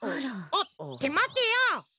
おってまてよ！